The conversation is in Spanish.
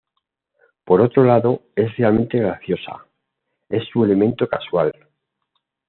Por otro lado, es realmente graciosa... Es su elemento casual.